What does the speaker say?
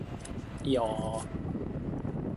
いいよー